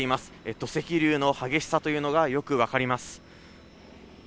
土石流の激しさというのがよく分かります。